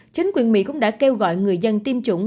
chính quyền mỹ cũng đã kêu gọi người dân tiêm chủng